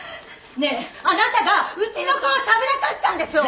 ねえあなたがうちの子をたぶらかしたんでしょ！？